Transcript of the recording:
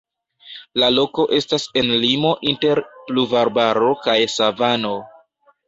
La loko estas en limo inter pluvarbaro kaj savano.